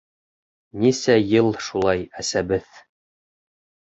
— Нисә йыл шулай әсәбеҙ.